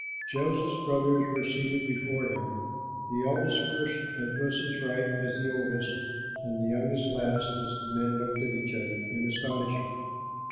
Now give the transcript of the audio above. Joseph's brothers were seated before him, the eldest first, as was his right as the oldest, and the youngest last, and the men looked at each other in astonishment.